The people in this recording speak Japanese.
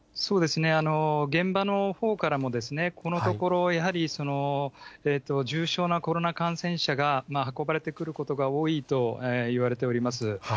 現場のほうからも、このところ、やはり、重症のコロナ感染者が運ばれてくることが多いといわれております。